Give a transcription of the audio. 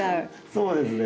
そうですね。